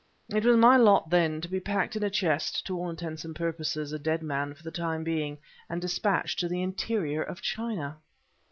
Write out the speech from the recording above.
It was my lot, then, to be packed in a chest (to all intents and purposes a dead man for the time being) and despatched to the interior of China!